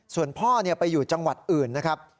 ส่วนพ่อไปอยู่จังหวัดอื่นนะครับ